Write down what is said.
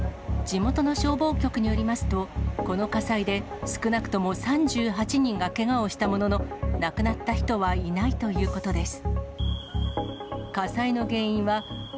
地元の消防局によりますと、この火災で少なくとも３８人がけがをしたものの、亡くなった人はいないということです。